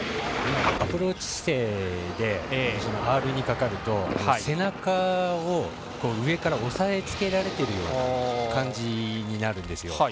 アプローチ姿勢でアールにかかると背中を上から押さえつけられているような感じになるんですよ。